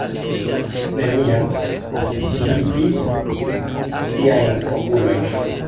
Neniam li vidis tiajn okulojn.